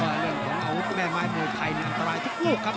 โอ้โหเรื่องของอาวุธแม่งไม้มือใครน่ารักตัวตัวครับ